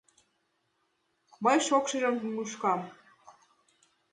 Мый шокшыжым мушкам.